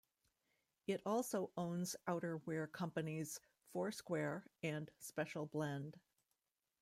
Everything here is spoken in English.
It also owns outerwear companies Four Square and Special Blend.